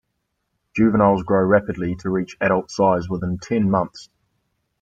Juveniles grow rapidly to reach adult size within ten months.